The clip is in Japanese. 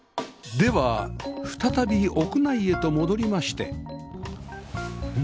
では再び屋内へと戻りまして